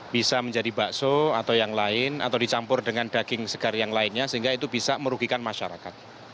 bisa menjadi bakso atau yang lain atau dicampur dengan daging segar yang lainnya sehingga itu bisa merugikan masyarakat